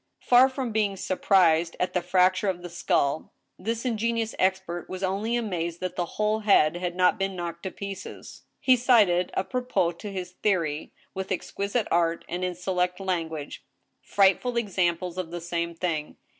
Far from being surprised at the fracture of the skull, this ingen ious expert was only amazed that the whole head had not been knocked to pieces ! He cited, h profios to his theory, with exquisite art and in select language, frightful examples of the same thing.